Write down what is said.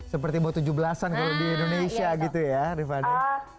seperti bot tujuh belas an kalau di indonesia gitu ya rifana